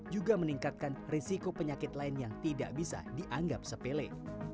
juga meningkatkan risiko penyakit lain yang tidak bisa dianggap sepele